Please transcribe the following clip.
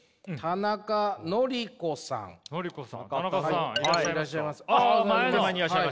田中さんいらっしゃいますか？